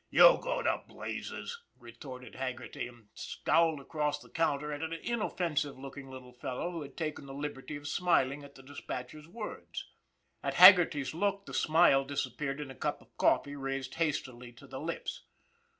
" You go to blazes !" retorted Haggerty, and scowled across the counter at an inoffensive looking little fellow who had taken the liberty of smiling at the dispatcher's words. At Haggerty's look, the smile disappeared in a cup of coffee raised hastily to the lips.